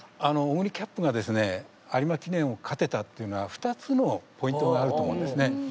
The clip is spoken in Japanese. あのオグリキャップがですね有馬記念を勝てたっていうのは２つのポイントがあると思うんですね。